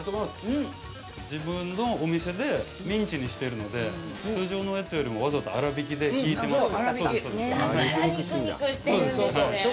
自分のお店でミンチにしてるので通常のやつよりもわざとだから肉々してるんですね